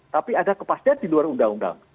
tapi ada kepastian di luar undang undang